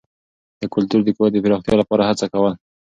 د کلتور د قوت د پراختیا لپاره هڅه کول.